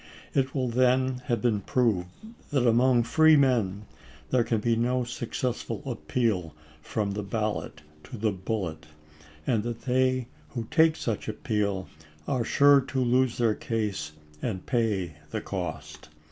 It will then have been proved that among free men there can be no success ful appeal from the ballot to the bullet, and that they who take such appeal are sure to lose their case and pay the cost.